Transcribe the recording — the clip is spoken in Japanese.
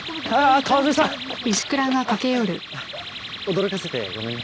驚かせてごめんね。